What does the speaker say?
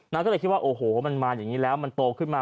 ก็เลยคิดว่าโอ้โหมันมาอย่างนี้แล้วมันโตขึ้นมา